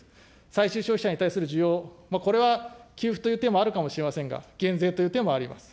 最終消費者に対する需要、これは給付という手もあるかもしれませんが、減税という手もあります。